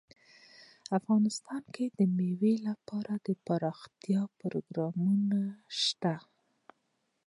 افغانستان کې د مېوې لپاره دپرمختیا پروګرامونه شته.